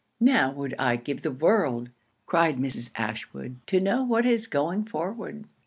'Now would I give the world,' cried Mrs. Ashwood, 'to know what is going forward.'